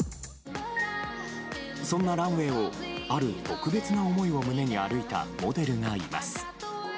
そんなランウェーをある特別な思いを胸に歩いたモデルがいます。